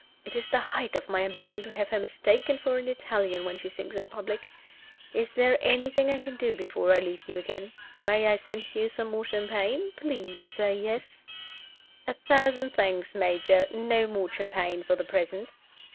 It is the height of my ambition to have her mistaken for an Italian when she sings in public. Is there anything I can do before I leave you again? May I send you some more champagne? Please say yes!" "A thousand thanks, Major. No more champagne for the present."